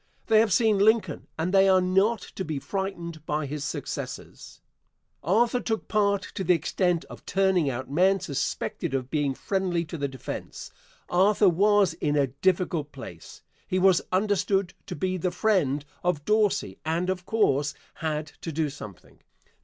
They have seen Lincoln and they are not to be frightened by his successors. Arthur took part to the extent of turning out men suspected of being friendly to the defence. Arthur was in a difficult place. He was understood to be the friend of Dorsey and, of course, had to do something.